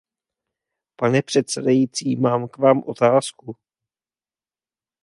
Pane předsedající, mám k vám otázku.